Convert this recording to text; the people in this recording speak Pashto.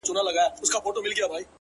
• او د ده شپې به خالي له انګولا وي ,